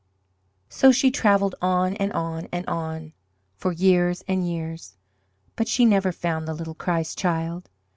So she travelled on and on and on for years and years but she never found the little Christ Child.